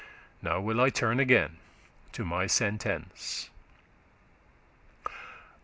Now will I turn again to my sentence.